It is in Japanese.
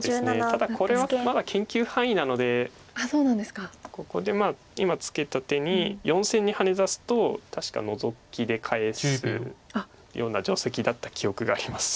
ただこれはまだ研究範囲なのでここで今ツケた手に４線にハネ出すと確かノゾキで返すような定石だった記憶があります。